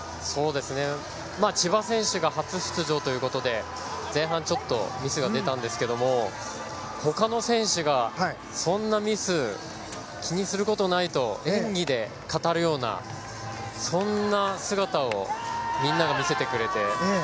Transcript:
千葉選手が初出場ということで前半、ちょっとミスが出たんですけども他の選手がそんなミス気にすることないと演技で語るようなそんな姿をみんなが見せてくれて。